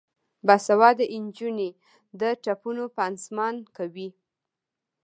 باسواده نجونې د ټپونو پانسمان کوي.